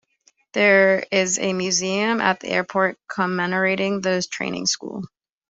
There is a museum at the airport commemorating the training school.